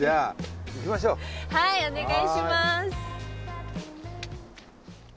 じゃあはいお願いします！